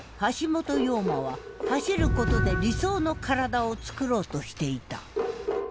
陽馬は走ることで理想の身体をつくろうとしていた。